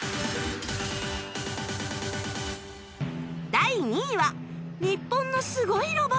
第２位は日本のすごいロボット